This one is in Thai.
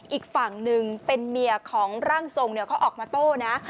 อีกฝั่งหนึ่งเป็นเมียของร่างทรงเขาออกมาโต้นะ